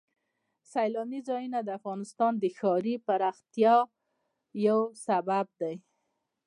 سیلاني ځایونه د افغانستان د ښاري پراختیا یو سبب دی.